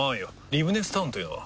リブネスタウンというのは？